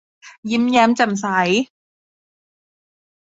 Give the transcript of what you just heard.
ยิ้มแย้มแจ่มใส